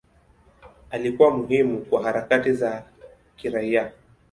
Alikuwa muhimu kwa harakati za haki za kiraia.